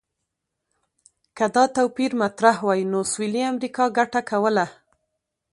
که دا توپیر مطرح وای، نو سویلي امریکا ګټه کوله.